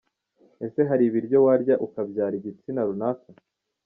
Ese hari ibiryo warya ukabyara igitsina runaka?.